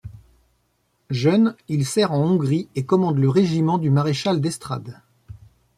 Jeune, il sert en Hongrie et commande le régiment du maréchal d'Estrades.